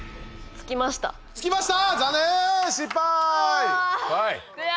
つきました！